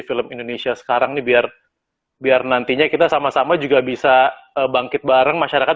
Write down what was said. film indonesia sekarang nih biar biar nantinya kita sama sama juga bisa bangkit bareng masyarakat